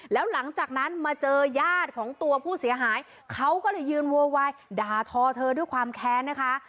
แล้วหลังจากนั้นมาเจอญาติของตัวผู้เสียหายเขาก็เลยยืนโวยวายด่าทอเธอด้วยความแค้นนะคะ